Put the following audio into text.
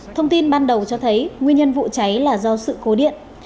thông tin ban đầu cho thấy nguyên nhân vụ cháy là do sự cố điện